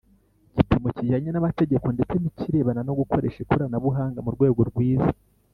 gipimo kijyanye n amategeko ndetse n ikirebana no gukoresha ikoranabuhanga mu rwego rwiza